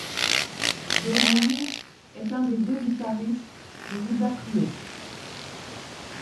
Downing est un des deux guitaristes de Judas Priest.